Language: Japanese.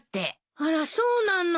あらそうなの。